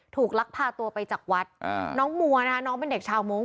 ลักพาตัวไปจากวัดน้องมัวนะคะน้องเป็นเด็กชาวมงค